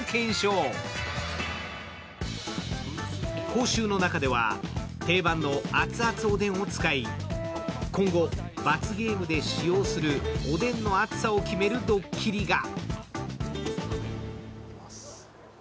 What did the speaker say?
講習の中では、定番の熱々おでんを使い、今後、罰ゲームで使用するおでんの熱さを決めるどっきりが。